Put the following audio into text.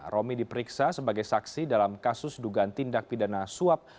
romi diperiksa sebagai saksi dalam kasus dugaan tindak pidana suap